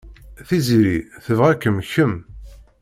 Tiziri tebɣa-kem kemm.